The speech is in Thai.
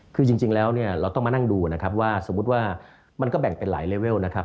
คือจริงแล้วเนี่ยเราต้องมานั่งดูนะครับว่าสมมุติว่ามันก็แบ่งเป็นหลายเลเวลนะครับ